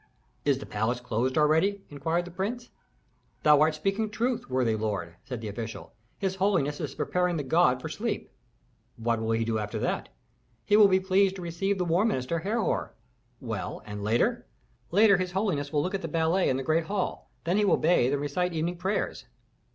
"Is the palace closed already?" inquired the prince. "Thou art speaking truth, worthy lord," said the official. "His holiness is preparing the god for sleep." "What will he do after that?" "He will be pleased to receive the war minister, Herhor." "Well, and later?" "Later his holiness will look at the ballet in the great hall, then he will bathe and recite evening prayers."